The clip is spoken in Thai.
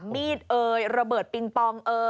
มีดระเบิดปิงปอง